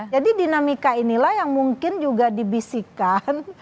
jadi dinamika inilah yang mungkin juga dibisikkan